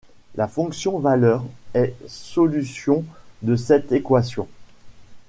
La fonction valeur est solution de cette équation.